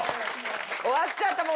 終わっちゃったもう。